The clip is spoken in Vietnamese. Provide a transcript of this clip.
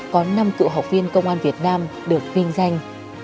có năm cựu học viên công an việt nam được vinh danh